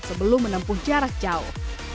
sebelum menempuh jarak jauh